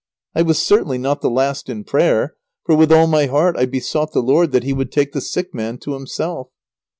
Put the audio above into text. I was certainly not the last in prayer, for with all my heart I besought the Lord that He would take the sick man to Himself.